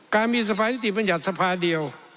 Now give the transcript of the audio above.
การมีสภานิติบัญญัติสภาเดียว